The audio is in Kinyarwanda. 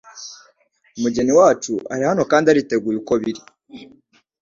Umugeni wacu arihano kandi ariteguye uko biri